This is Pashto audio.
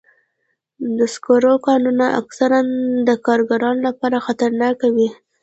د سکرو کانونه اکثراً د کارګرانو لپاره خطرناک وي.